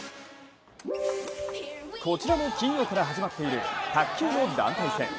こちらも金曜から始まっている卓球の団体戦。